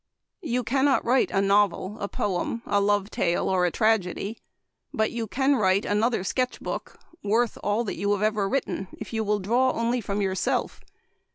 You can not write a novel, a poem, a love tale, or a tragedy. But you can write another Sketch Book worth all that you have ever written if you will draw only from yourself.